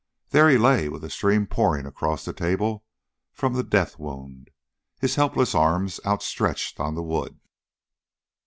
There he lay with a stream pouring across the table from the death wound, his helpless arms outstretched on the wood.